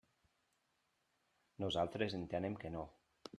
Nosaltres entenem que no.